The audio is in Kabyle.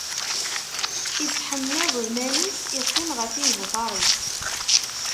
Ittḥemmiẓ iman-is, iqqim ɣef ijufaṛ-is.